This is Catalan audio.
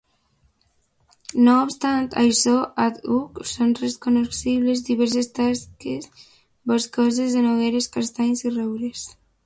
No obstant això àdhuc són recognoscibles diverses taques boscoses de nogueres, castanys i roures.